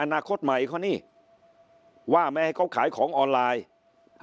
อนาคตใหม่เขานี่ว่าไม่ให้เขาขายของออนไลน์